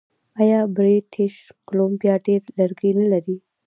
آیا بریټیش کولمبیا ډیر لرګي نلري؟